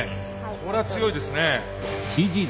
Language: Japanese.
これは強いですね。